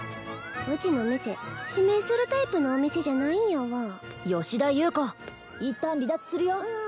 うちの店指名するタイプのお店じゃないんやわあ吉田優子一旦離脱するよあ